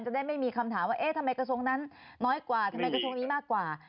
ได้ไม่มีคำถามว่าเอ๊ะทำไมกระทรวงนั้นน้อยกว่าทำไมกระทรวงนี้มากกว่า